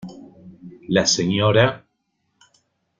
La "Sra.